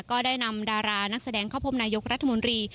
ก็ได้นำดารานักแสดงเข้าพบนายกรัฐมนตรี